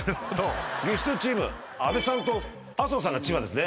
ゲストチーム阿部さんと麻生さんが千葉ですね。